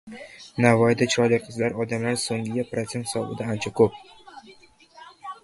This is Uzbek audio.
Navoiyda chiroyli qizlar odam soniga protsent hisobida ancha koʻp.